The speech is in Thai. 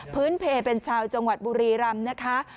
เพลเป็นชาวจังหวัดบุรีรำนะคะ